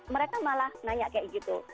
mereka malah nanya kayak gitu